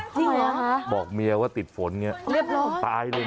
จริงเหรอบอกเมียว่าติดฝนเดี๋ยวบอกจะตายแบบนั้น